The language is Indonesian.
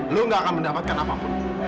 lu gak akan mendapatkan apapun